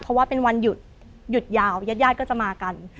เพราะว่าเป็นวันหยุดหยุดยาวยาดก็จะมากัน